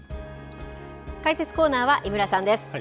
解説コーナーは井村さんです。